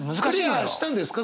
クリアしたんですか？